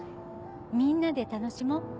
みんなで楽しもう。